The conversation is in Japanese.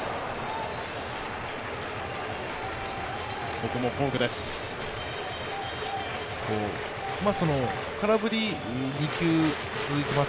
ここもフォークです。